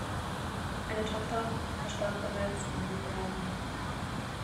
Eine Tochter verstarb bereits in jungen Jahren.